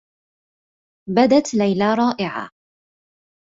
بدت ليلى رائعة.